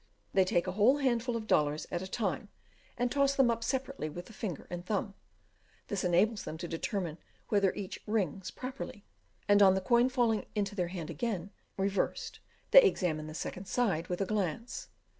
They take a whole handful of dollars at a time, and toss them up separately with the finger and thumb: this enables them to determine whether each "rings" properly, and on the coin falling into their hand again, reversed, they examine the second side with a glance.